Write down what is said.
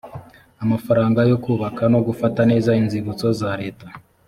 amafaranga yo kubaka no gufata neza inzibutso za leta